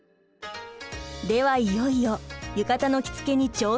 ではいよいよ浴衣の着付けに挑戦！